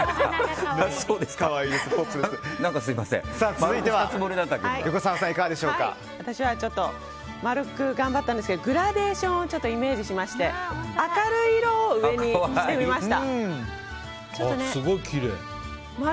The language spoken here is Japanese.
続いては、横澤さんは私は丸く頑張ったんですけどグラデーションをイメージしまして明るい色を上にしてみました。